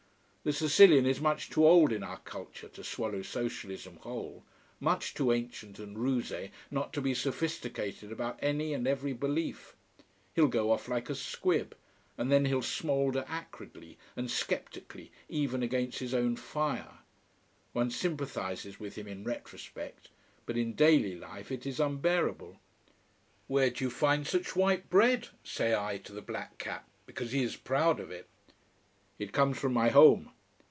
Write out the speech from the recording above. The Sicilian is much too old in our culture to swallow Socialism whole: much too ancient and rusé not to be sophisticated about any and every belief. He'll go off like a squib: and then he'll smoulder acridly and sceptically even against his own fire. One sympathizes with him in retrospect. But in daily life it is unbearable. "Where do you find such white bread?" say I to the black cap, because he is proud of it. "It comes from my home."